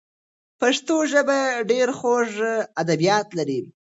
پښتو ژبه ډېر خوږ ادبیات لري.